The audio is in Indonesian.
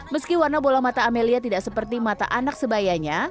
meski warna bola mata amelia tidak seperti mata anak sebayanya